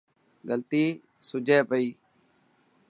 غلطي سڄي پيو.